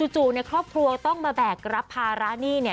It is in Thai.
จู่เนี่ยครอบครัวต้องมาแบกรับภาระหนี้เนี่ย